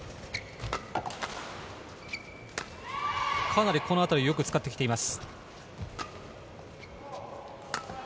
かなり、このあたり、よく使ってきています。